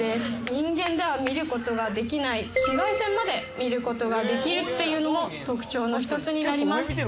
人間では見ることができない、紫外線まで見ることができるというのも特徴の１つになります。